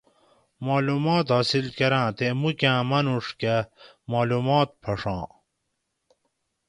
مالومات حاصِل کۤراں تے مُکاۤں ماۤنُوڄ کۤہ مالومات پھڛاں